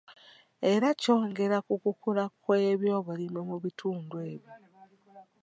Era kyongera ku kukula kw'ebyobulimi mu bitundu ebyo.